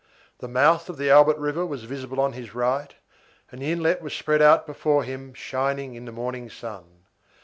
The mouth of the Albert River was visible on his right, and the inlet was spread out before him shining in the morning sun.